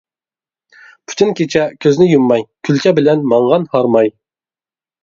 پۈتۈن كېچە كۆزنى يۇمماي، كۈلكە بىلەن ماڭغان ھارماي.